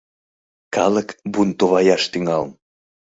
Калык бунтоваяш тӱҥалын.